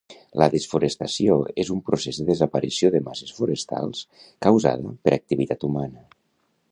La desforestació és un procés de desaparició de masses forestals causada per activitat humana